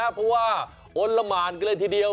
เพราะว่าอ้นละหมานกันเลยทีเดียว